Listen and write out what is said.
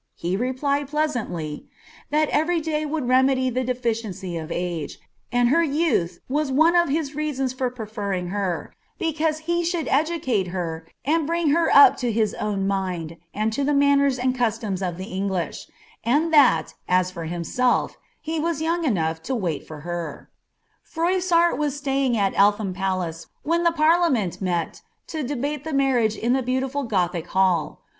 lie replied plcanallyi ■ that every day would remedy the defirieucy of age, and her vouih tt one of his reasons for preferring her, berauae ho should eduoile her tai bring her up to his own mind, and lo the manners and cusluws oi ih English ; and that, as for himself, he was young onoagh Uj tnil Jbf her,' " Froissftrt was staying at Eliham pnloce when the parliament aMM debate the marriage in the beautiful gothic hall.'